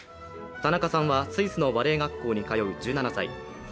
田中さんはスイスのバレエ学校に通う１７歳。